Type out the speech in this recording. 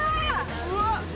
うわっ！